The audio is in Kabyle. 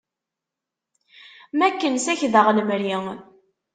Am akken sakdeɣ lemri.